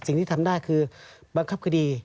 สิ่งที่ทำได้คือบังคับคดี